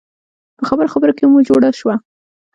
په خبرو خبرو کې مو جوړه شوه.